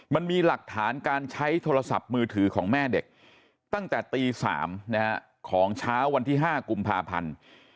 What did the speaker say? มันมีหลักฐานการใช้โทรศัพท์มือถือของแม่เด็กตั้งแต่ตี๓ของเช้าวันที่๕กุมภาพันธ์